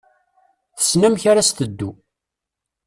Tessen amek ara s-teddu.